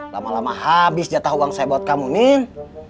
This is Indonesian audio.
lama lama habis jatah uang saya buat kamu nih